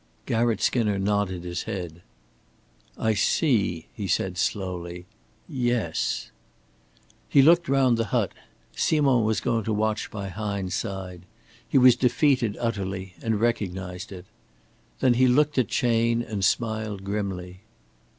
Garratt Skinner nodded his head. "I see," he said, slowly. "Yes." He looked round the hut. Simond was going to watch by Hine's side. He was defeated utterly, and recognized it. Then he looked at Chayne, and smiled grimly.